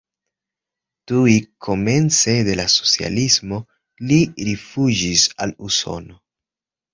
Tuj komence de la socialismo li rifuĝis al Usono.